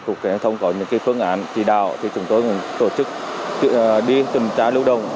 cục cảnh thông có những phương án chỉ đạo thì chúng tôi tổ chức đi tuần tra lưu động